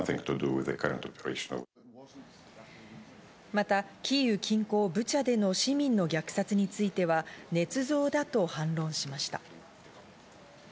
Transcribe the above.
また、キーウ近郊ブチャでの市民の虐殺については、ねつ造だと反論しました。